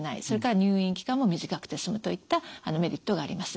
それから入院期間も短くて済むといったメリットがあります。